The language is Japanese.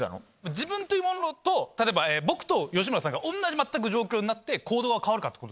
自分というものと例えば僕と吉村さんが全く同じ状況になって行動が変わるかってこと。